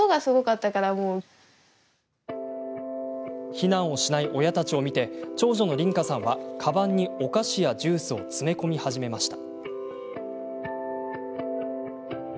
避難をしない親たちを見て長女の鈴華さんはかばんにお菓子やジュースを詰め込み始めました。